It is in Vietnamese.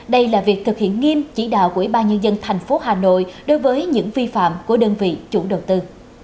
đây là việc thực hiện nghiêm chỉ đạo của ủy ban nhân dân tp hà nội đối với những vi phạm của đơn vị chủ đầu tư